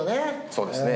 そうですね